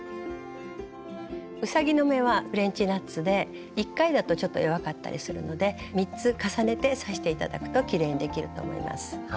うさぎの目はフレンチノットで１回だとちょっと弱かったりするので３つ重ねて刺して頂くときれいにできると思います。